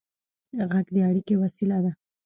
غږ د اړیکې وسیله ده.